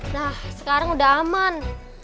nah sekarang udah aman